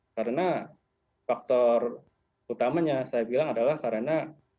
karena faktor utamanya saya bilang adalah karena